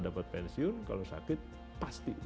dapat pensiun kalau sakit pasti